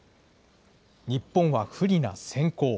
日本は不利な先攻。